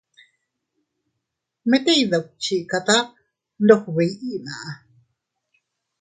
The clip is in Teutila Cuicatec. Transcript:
Mit iyduchikata ndog biʼi na.